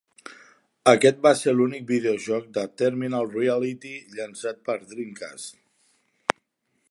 Aquest va ser l'únic videojoc de Terminal Reality llançat pel Dreamcast.